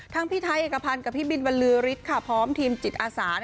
พี่ไทยเอกพันธ์กับพี่บินบรรลือฤทธิ์ค่ะพร้อมทีมจิตอาสา